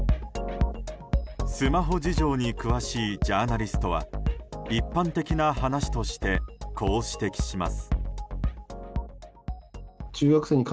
スマホ事情に詳しいジャーナリストは一般的な話としてこう指摘します。